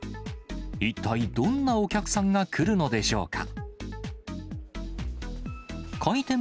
一体どんなお客さんが来るのでしょうか。